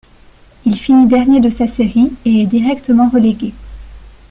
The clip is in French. Il finit dernier de sa série et est directement relégué.